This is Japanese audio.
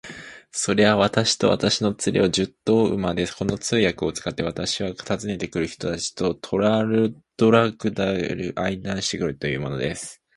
それは、私と私の連れを、十頭の馬で、この通訳を使って、私は訪ねて来る人たちとトラルドラグダカまで案内してくれるというのです。